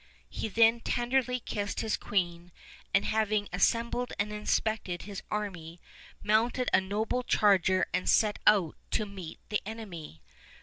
He then tenderly kissed his queen, and having assem bled and inspected his army, mounted a noble charger and set, out to meet the enemy.